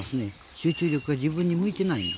集中力が自分に向いていない。